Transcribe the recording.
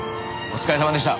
お疲れさまでした。